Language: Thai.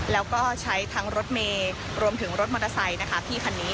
แล้วก็ใช้ทั้งรถเมย์รวมถึงรถมอเตอร์ไซค์นะคะพี่คันนี้